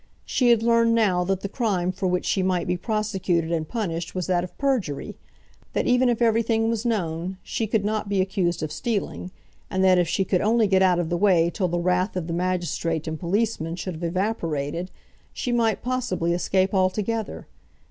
She had learned now that the crime for which she might be prosecuted and punished was that of perjury, that even if everything was known, she could not be accused of stealing, and that if she could only get out of the way till the wrath of the magistrate and policemen should have evaporated, she might possibly escape altogether.